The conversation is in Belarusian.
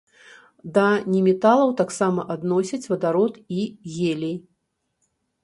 Да неметалаў таксама адносяць вадарод і гелій.